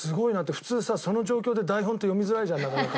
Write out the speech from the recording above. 普通さその状況で台本って読みづらいじゃんなかなか。